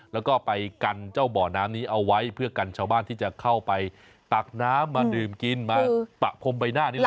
แล้วก็ไปกันเจ้าบ่อน้ำนี้เอาไว้เพื่อกันชาวบ้านที่จะเข้าไปตักน้ำมาดื่มกินมาปะพรมใบหน้านี่แหละ